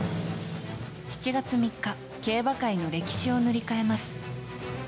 ７月３日競馬界の歴史を塗り替えます。